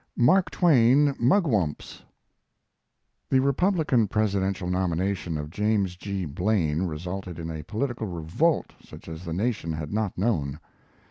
MARK TWAIN MUGWUMPS The Republican Presidential nomination of James G. Blaine resulted in a political revolt such as the nation had not known.